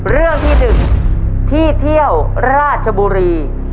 เรื่องที่๑ที่เที่ยวราชบุรี